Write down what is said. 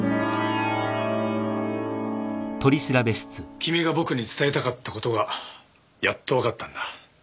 君が僕に伝えたかった事がやっとわかったんだ。